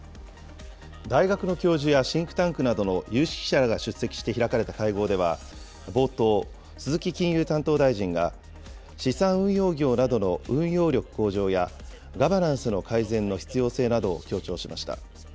大学の教授やシンクタンクなどの有識者らが出席して開かれた会合では、冒頭、鈴木金融担当大臣が、資産運用業などの運用力向上や、ガバナンスの改善の必要性などを強調しました。